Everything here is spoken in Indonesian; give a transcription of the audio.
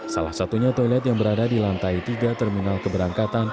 salah satunya toilet yang berada di lantai tiga terminal keberangkatan